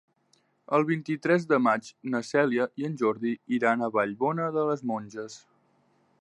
El vint-i-tres de maig na Cèlia i en Jordi iran a Vallbona de les Monges.